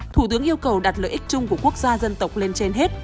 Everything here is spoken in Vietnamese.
thủ tướng yêu cầu đặt lợi ích chung của quốc gia dân tộc lên trên hết